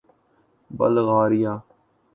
Bulgaria